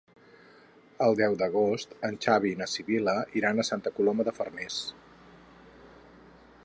El deu d'agost en Xavi i na Sibil·la iran a Santa Coloma de Farners.